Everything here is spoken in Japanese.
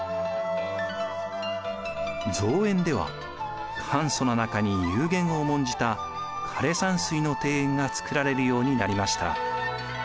造園では簡素な中に幽玄を重んじた枯山水の庭園が造られるようになりました。